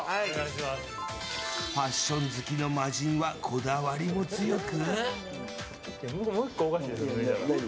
ファッション好きの魔人はこだわりも強く。